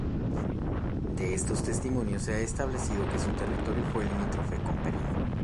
De estos testimonios se ha establecido que su territorio fue limítrofe con Priene.